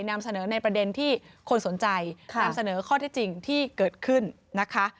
นำเสนอในประเด็นที่คนสนใจนำเสนอข้อที่จริงที่เกิดขึ้นนะคะ